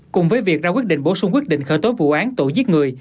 cùng với việc ra quyết định bổ sung quyết định khởi tố vụ án tội giết người